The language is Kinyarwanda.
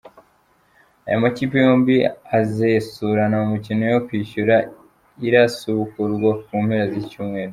Aya makipe yombi azesurana mu mikino yo kwishyura irasubukurwa mu mpera z’iki cyumweru.